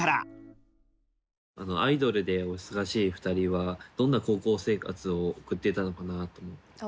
アイドルでお忙しい二人はどんな高校生活を送っていたのかなと思って。